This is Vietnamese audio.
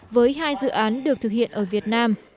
với hai dự án được thực hiện ở việt nam